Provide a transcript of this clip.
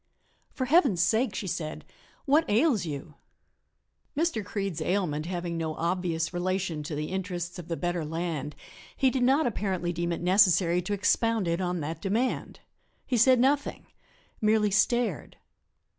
"For Heaven's sake," she said, "what ails you?" Mr. Creede's ailment having no obvious relation to the interests of the better land he did not apparently deem it necessary to expound it on that demand; he said nothing merely stared.